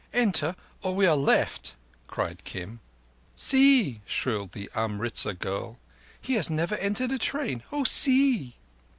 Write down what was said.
Enter, or we are left," cried Kim. "See!" shrilled the Amritzar girl. "He has never entered a train. Oh, see!"